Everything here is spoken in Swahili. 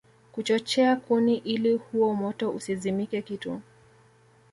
kuchochea kuni ili huo moto usizimike Kitu